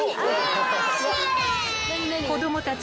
［子供たちの］